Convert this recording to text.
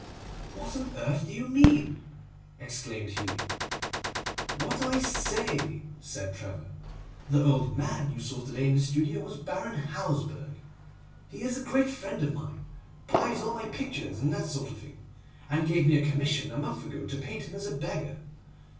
'What on earth do you mean?' exclaimed Hughie. 'What I say,' said Trevor. 'The old man you saw to day in the studio was Baron Hausberg. He is a great friend of mine, buys all my pictures and that sort of thing, and gave me a commission a month ago to paint him as a beggar.